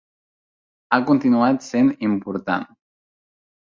Ha continuat sent important.